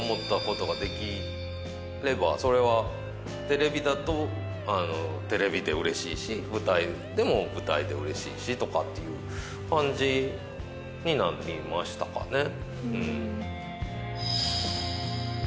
テレビだとテレビでうれしいし舞台でも舞台でうれしいし！とかっていう感じになりましたかね。